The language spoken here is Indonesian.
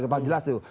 cuma paling jelas itu